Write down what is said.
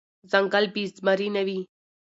ځنګل بی زمري نه وي .